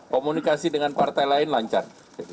komunikasi dengan partai lain lancar